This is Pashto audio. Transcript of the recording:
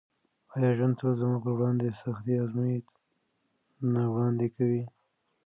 آیا ژوند تل زموږ پر وړاندې سختې ازموینې نه وړاندې کوي؟